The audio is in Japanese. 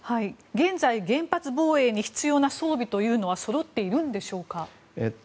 現在、原発防衛に必要な装備というのはそろっているんでしょうか？